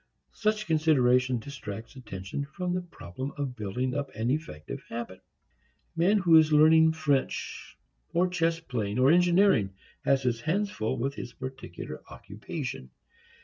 Such consideration distracts attention from the problem of building up an effective habit. A man who is learning French, or chess playing or engineering has his hands full with his particular occupation.